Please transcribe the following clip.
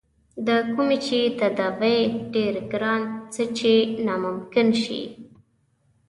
د کومې چې تداوے ډېر ګران څۀ چې ناممکن شي